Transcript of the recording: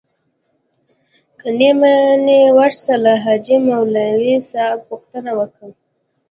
که نې منې ورسه له حاجي مولوي څخه پوښتنه وکه.